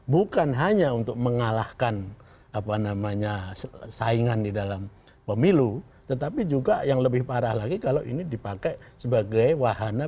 bukan hanya untuk mengalahkan apa namanya saingan di dalam pemilu tetapi juga yang lebih parah lagi kalau ini dipakai sebagai wahana